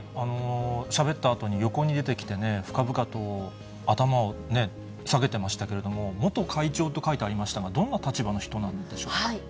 しゃべったあとに横に出てきて、深々と頭をね、下げてましたけれども、元会長と書いてありましたが、どんな立場の人なんでしょうか。